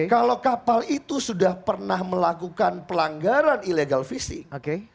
kalau kapal itu sudah pernah melakukan pelanggaran illegal fishing